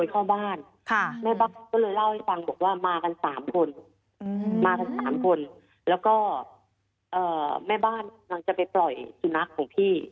ก็แม่บ้านกำลังจะไปปล่อยสุนัขของพี่